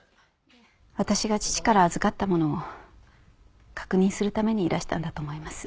私が父から預かったものを確認するためにいらしたんだと思います。